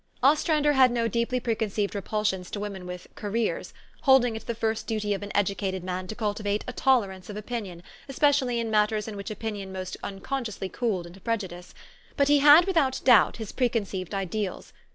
Ostrander had no deeply preconceived repulsions to women with " careers," holding it the first duty of an educated man to cultivate a tolerance of opinion, especially in matters in which opinion most unconsciously cooled into prejudice ; but he had, without doubt, his preconceived ideals.